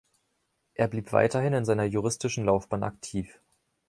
Er blieb weiterhin in seiner juristischen Laufbahn aktiv.